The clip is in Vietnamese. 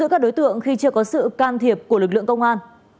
chỉ có sự can thiệp của lực lượng công an